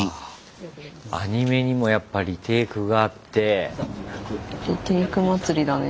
アニメにもやっぱリテイクがあって。